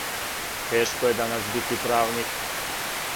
Тешко је данас бити правник.